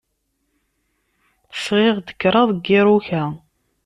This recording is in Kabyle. Sɣiɣ-d kraḍ n yiruka.